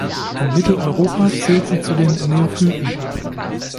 In Mitteleuropa zählt sie zu den Neophyten.